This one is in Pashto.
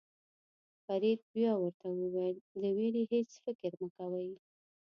فرید بیا ورته وویل د وېرې هېڅ فکر مه کوئ.